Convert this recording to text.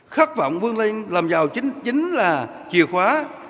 khắc vọng quân linh làm giàu chính là chìa khóa